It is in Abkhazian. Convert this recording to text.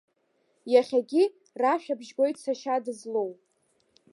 Иахьагьы рашәаҳәабжь гоит сашьа дызлоу.